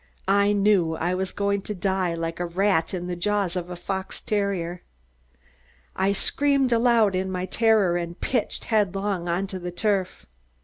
I knew I was going to die like a rat in the jaws of a fox terrier. I screamed aloud in my terror and pitched headlong on the turf.